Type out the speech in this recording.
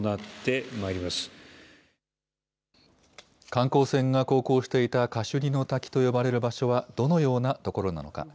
観光船が航行していたカシュニの滝と呼ばれる場所はどのような所なのか。